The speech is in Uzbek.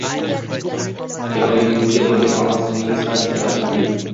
Yiqilguningizda bo’lgan omadsizligingiz qanchalik daxshatli